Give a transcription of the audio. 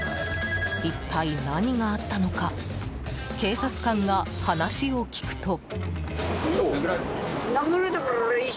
一体、何があったのか警察官が話を聞くと。